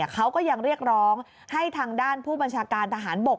เขาก็ยังเรียกร้องให้ทางด้านผู้บัญชาการทหารบก